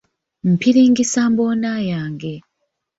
Mpiringisa mboona yange.